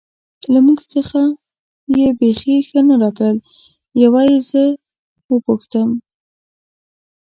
له موږ څخه یې بېخي ښه نه راتلل، یوه یې زه و پوښتم.